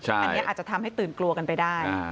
อันนี้อาจจะทำให้ตื่นกลัวกันไปได้